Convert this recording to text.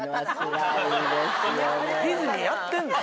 ディズニーやってんの？